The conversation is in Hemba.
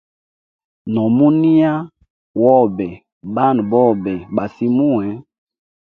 No muniya wobe bana bobe ba simuwe.